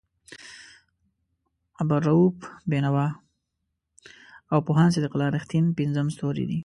عبالرؤف بېنوا او پوهاند صدیق الله رښتین پنځم ستوری دی.